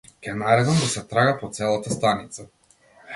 Ќе наредам да се трага по целата станица.